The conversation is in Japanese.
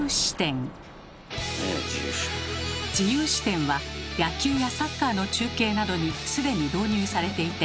「自由視点」は野球やサッカーの中継などに既に導入されていて